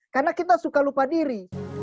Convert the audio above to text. karena kita suka lupa diri